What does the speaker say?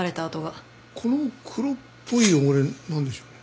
この黒っぽい汚れなんでしょう？